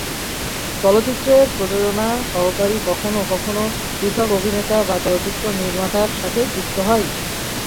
চলচ্চিত্রের প্রযোজনা সহকারী কখনও কখনও পৃথক অভিনেতা বা চলচ্চিত্র নির্মাতার সাথে যুক্ত হয়।